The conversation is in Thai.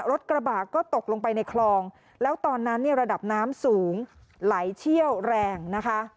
รถกระบะก็ตกลงไปในคลองแล้วตอนนั้นเนี่ยระดับน้ำสูงไหลเชี่ยวแรงนะคะ